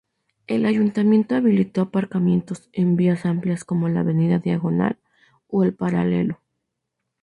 El Ayuntamiento habilitó aparcamientos en vías amplias como la Avenida Diagonal o el Paralelo.